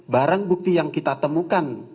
barang bukti yang kita temukan